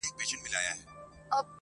په کتو یې بې ساغره بې شرابو نشه کيږم,